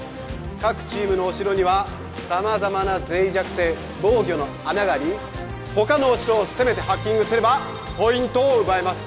各チームのお城には様々な脆弱性防御の穴があり他のお城を攻めてハッキングすればポイントを奪えます